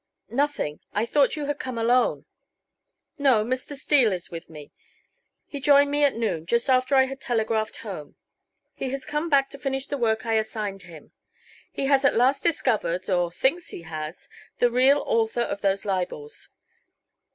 "Nothing; I thought you had come alone." "No, Mr. Steele is with me. He joined me at noon, just after I had telegraphed home. He has come back to finish the work I assigned him. He has at last discovered or thinks he has the real author of those libels.